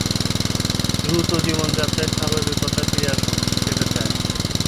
দ্রুত জীবনযাত্রায় স্বাভাবিকতা ফিরে আসুক, সেটা চায়।